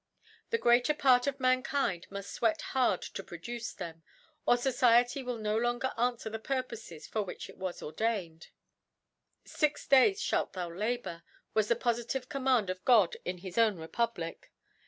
The greater Part of Mankind muft fweat hard to produce them, or Society wil no longt^r anfwer the Purpofes for which it was ordained. Six Days/ball thou labour^ was the pofitive Command of God in his own Republic.